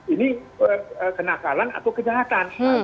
ini kenakalan atau kejahatan